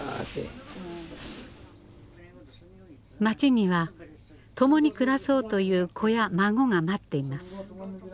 町には共に暮らそうと言う子や孫が待っています。